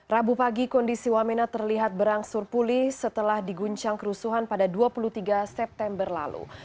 rabu pagi kondisi wamena terlihat berangsur pulih setelah diguncang kerusuhan pada dua puluh tiga september lalu